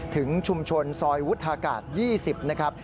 ถึงชุมชนซอยวุฒากาศ๒๐นะครับ